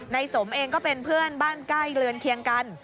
สมเองก็เป็นเพื่อนบ้านใกล้เรือนเคียงกัน